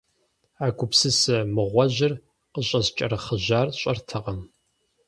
А гупсысэ мыгъуэжьыр къыщӀыскӀэрыхъыжьар сщӀэртэкъым.